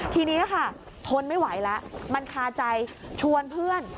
ทีนี้ค่ะทนไม่ไหวแล้วมันคาใจชวนเพื่อน